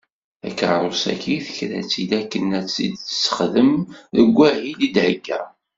Takerrust-agi, tekra-tt-id akken a tt-tessexdem deg wahil i d-thegga.